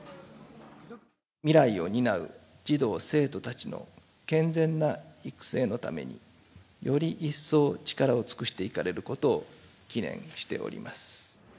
未来を担う児童・生徒たちの健全な育成のために、より一層力を尽くしていかれることを祈念しております。